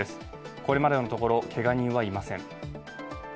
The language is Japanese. これまでのところけが人はいません。